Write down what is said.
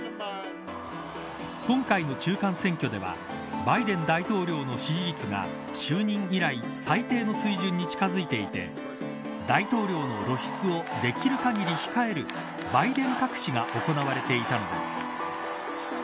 今回の中間選挙ではバイデン大統領の支持率が就任以来最低の水準に近づいていて大統領の露出をできる限り控える、バイデン隠しが行われていたのです。